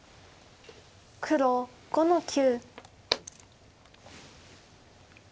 黒５の九。